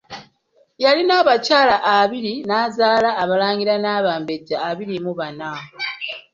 Yalina abakyala abiri n'azaala abalangira n'abambejja abiri mu bana.